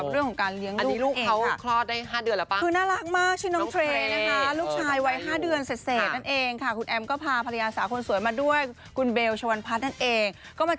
เรื่องของข่าวบันเทิงกันได้ด้วยนะคะ